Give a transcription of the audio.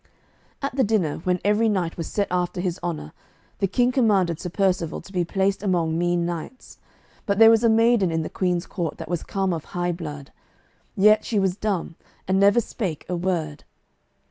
At the dinner, when every knight was set after his honour, the King commanded Sir Percivale to be placed among mean knights. But there was a maiden in the Queen's court that was come of high blood, yet she was dumb, and never spake a word.